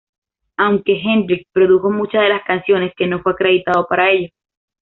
Aunque Hendrix produjo muchas de las canciones, que no fue acreditado para ello.